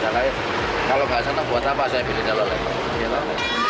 kalau tidak senang buat apa saya beli telolet